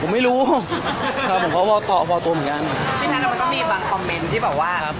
ผมไม่รู้ครับผมก็พอตัวเหมือนกันพี่ท่านแล้วก็มีบางคอมเม้นท์ที่บอกว่า